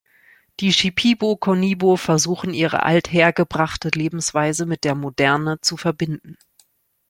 Die Shipibo-Conibo versuchen ihre althergebrachte Lebensweise mit der Moderne zu verbinden.